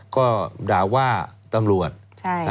ก็ด่าว่าตำรวจ